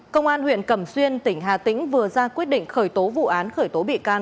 công an huyện cẩm xuyên tỉnh hà tĩnh vừa ra quyết định khởi tố vụ án khởi tố bị can